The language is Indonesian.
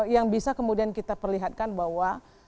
yang bisa kemudian kita perlihatkan bahwa